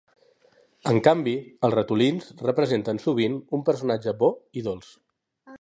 En canvi, els ratolins representen sovint un personatge bo i dolç.